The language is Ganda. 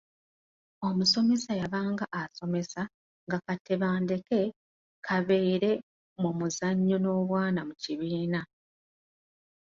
Omusomesa yabanga asomesa nga ka Tebandeke kabeere mu muzannyo n’obwana mu kibiina.